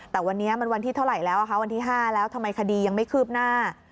แต่วันนี้มันวันที่เท่าไหร่แล้ววันที่๕แล้วทำไมคดียังไม่คืบหน้า